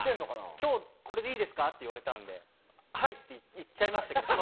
「今日これでいいですか？」って言われたんで「はい」って言っちゃいましたけどその場では。